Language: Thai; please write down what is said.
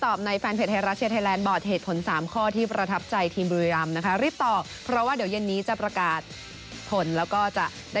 ไทยรัชเชียร์ไทยแลนด์นะครับ